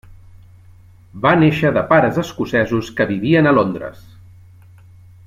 Va néixer de pares escocesos que vivien a Londres.